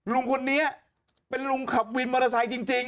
ลุงคนนี้เป็นลุงขับวินมอเตอร์ไซค์จริง